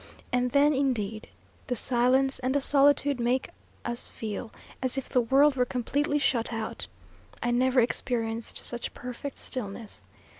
And then indeed the silence and the solitude make us feel as if the world were completely shut out. I never experienced such perfect stillness.